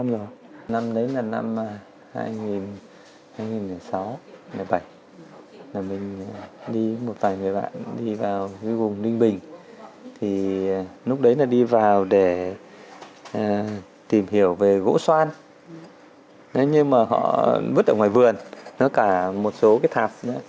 mình hiểu về gỗ xoan nó như mà họ bứt ở ngoài vườn nó cả một số cái thạp